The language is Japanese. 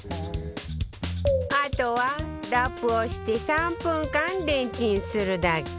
あとはラップをして３分間レンチンするだけ